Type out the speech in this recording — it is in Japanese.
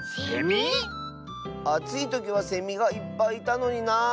あついときはセミがいっぱいいたのになあ。